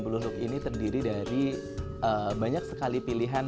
sembilan puluh look ini terdiri dari banyak sekali pilihan